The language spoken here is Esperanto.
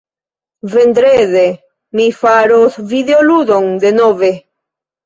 Vendrede... mi faros videoludon, denove.